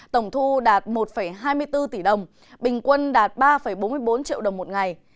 tổng thu đạt một hai mươi bốn tỷ đồng bình quân đạt ba bốn mươi bốn triệu đồng một ngày